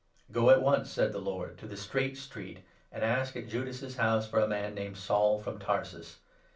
" Go at once," said the Lord, " to the ' Straight Street ', and n ask at Judas's house for a man named Saul, from Tarsus.